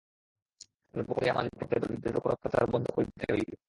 সর্বোপরি আমাদিগকে দরিদ্রের উপর অত্যাচার বন্ধ করিতে হইবে।